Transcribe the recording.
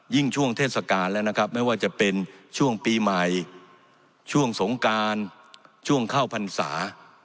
ช่วงเทศกาลแล้วนะครับไม่ว่าจะเป็นช่วงปีใหม่ช่วงสงการช่วงเข้าพรรษา